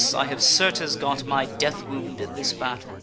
I have certes got my death wound in this battle